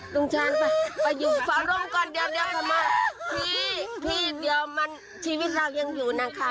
ลุงชันไปไปอยู่ในร่องก่อนเดี๋ยวพี่พี่เดี๋ยวมันชีวิตเรายังอยู่นะคะพี่